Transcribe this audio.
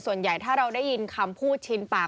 ส่วนใหญ่ถ้าเราได้ยินคำพูดชินปาก